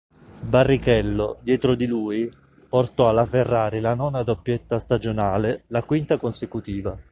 Barrichello, dietro di lui, portò alla Ferrari la nona doppietta stagionale, la quinta consecutiva.